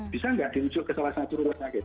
bisa nggak di rujuk ke salah satu rumah sakit